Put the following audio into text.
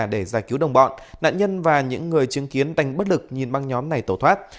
để giải cứu đồng bọn nạn nhân và những người chứng kiến đánh bất lực nhìn băng nhóm này tẩu thoát